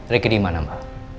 riki di mana mbak